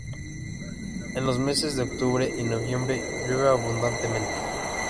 En los meses de octubre y noviembre llueve abundantemente.